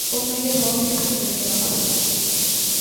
وہ مرے ہو کے بھی مرے نہ ہوئے